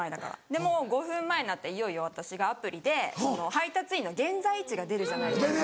でもう５分前になったらいよいよ私がアプリで配達員の現在地が出るじゃないですか